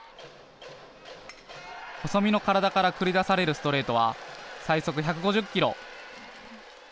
細身の体から繰り出されるストレートは最速１５０キロ。